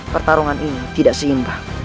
pertarungan ini tidak seingga